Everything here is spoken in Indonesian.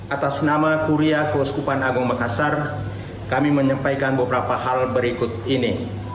atas nama kuria keuskupan agung makassar kami menyampaikan beberapa hal berikut ini